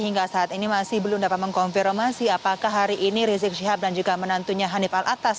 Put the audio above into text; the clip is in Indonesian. hingga saat ini masih belum dapat mengkonfirmasi apakah hari ini rizik syihab dan juga menantunya hanif al atas